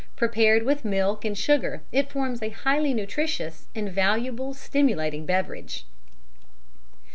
Prepared with milk and sugar it forms a highly nutritious and valuable stimulating beverage."